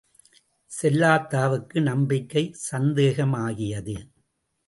செல்லாத்தாவுக்கு நம்பிக்கை சந்தேகமாகியது.